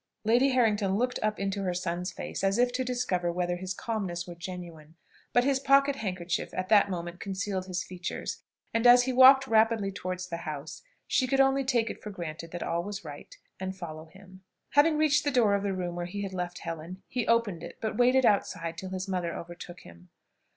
Lady Harrington looked up into her son's face as if to discover whether his calmness were genuine; but his pocket handkerchief at that moment concealed his features, and, as he walked rapidly towards the house, she could only take it for granted that all was right, and follow him. Having reached the door of the room where he had left Helen, he opened it, but waited outside till his mother overtook him.